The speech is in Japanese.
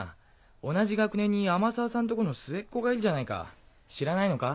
同じ学年に天沢さんとこの末っ子がいるじゃないか知らないのか？